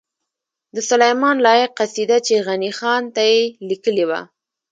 د سلیمان لایق قصیده چی غنی خان ته یی لیکلې وه